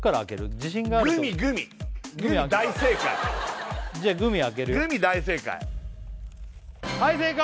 自信があるとこグミ大正解じゃあグミ開けるよグミ大正解はい正解！